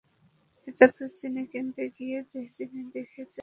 এটা তো চিনি কিনতে গিয়ে চিনি রেখে চলে আসার মতো হলো।